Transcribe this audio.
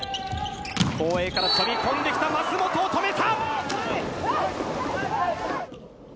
後衛から飛び込んできた舛本を止めた！